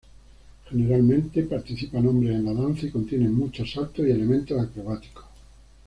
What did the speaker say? Generalmente participan hombres en la danza y contiene muchos saltos y elementos acrobáticos.